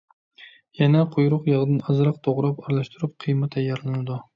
يەنە قۇيرۇق ياغدىن ئازراق توغراپ ئارىلاشتۇرۇپ قىيما تەييارلىنىدۇ.